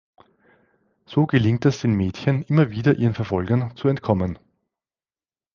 So gelingt es den Mädchen immer wieder, ihren Verfolgern zu entkommen.